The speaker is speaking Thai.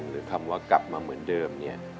หรือคำว่ากลับมาเหมือนเดิม